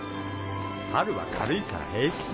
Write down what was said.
ハルは軽いから平気さ。